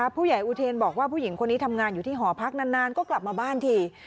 ผู้ใหญ่อุเทนบอกว่าผู้หญิงคนนี้ทำงานอยู่ที่หอพักนานก็กลับมาบ้านที